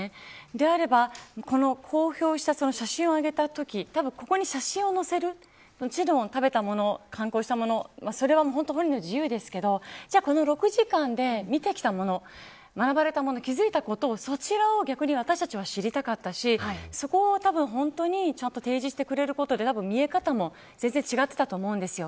であれば公表した写真を上げたときたぶん、ここに写真を載せるもちろん食べた物、観光したものそれは本人の自由ですけどじゃあこの６時間で見てきたもの学ばれたもの、気付いたものそちらを私たちは知りたかったしそちらを本当に提示してくれることで見え方も全然違っていたと思うんです。